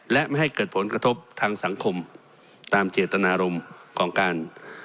และไม่ให้เกิดผลกระทบทางสังคมตามเจตนารมณ์ของการ